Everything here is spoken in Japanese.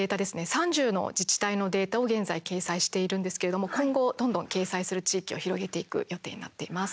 ３０の自治体のデータを現在掲載しているんですけれども今後どんどん掲載する地域を広げていく予定になっています。